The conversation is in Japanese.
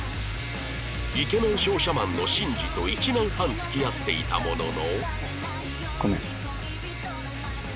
イケメン商社マンの慎二と１年半付き合っていたものの